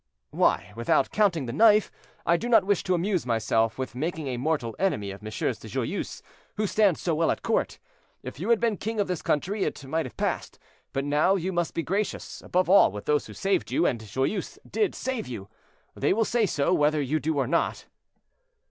"Why, without counting the knife, I do not wish to amuse myself with making a mortal enemy of MM. de Joyeuse, who stand so well at court. If you had been king of this country, it might have passed; but now you must be gracious, above all with those who saved you, and Joyeuse did save you. They will say so, whether you do or not."